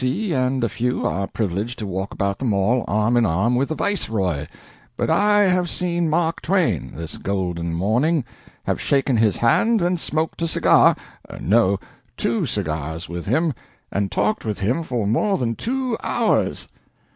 C., and a few are privileged to walk about the Mall arm in arm with the viceroy; but I have seen Mark Twain this golden morning, have shaken his hand, and smoked a cigar no, two cigars with him, and talked with him for more than two hours!"